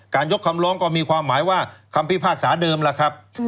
ยกคำร้องก็มีความหมายว่าคำพิพากษาเดิมล่ะครับ